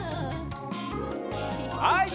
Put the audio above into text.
はい。